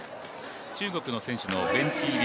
中国の選手のベンチ入り